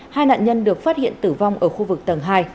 hai nạn nhân được phát hiện tử vong ở khu vực tầng hai